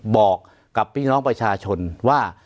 บอกกับพี่น้องประชาชนว่า